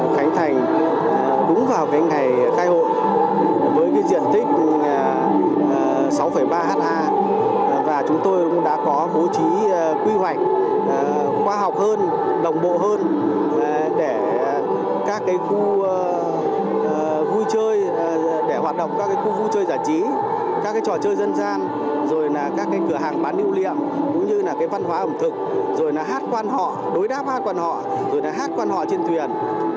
khánh thành cũng vào cái ngày khai hội với cái diện tích sáu ba ha và chúng tôi cũng đã có bố trí quy hoạch khoa học hơn đồng bộ hơn để các cái khu vui chơi để hoạt động các cái khu vui chơi giả trí các cái trò chơi dân gian rồi là các cái cửa hàng bán nữ liệm cũng như là cái văn hóa ẩm thực rồi là hát quan họ đối đáp hát quan họ rồi là hát quan họ trên thuyền